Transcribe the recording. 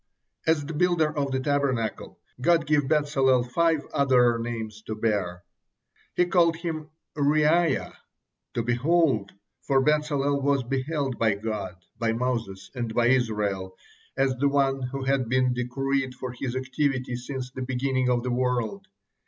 As the builder of the Tabernacle, God gave Bezalel five other names to bear. He called him Reaiah, "to behold," for Bezalel was beheld by God, by Moses, and by Israel, as the one who had been decreed for his activity since the beginning of the world.